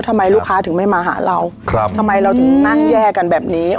ทำไมลูกค้าถึงไม่มาหาเราครับทำไมเราถึงนั่งแย่กันแบบนี้